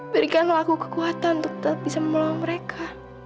berikanlah aku kekuatan untuk tetap bisa mengelola mereka